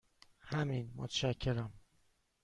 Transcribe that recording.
همین، متشکرم.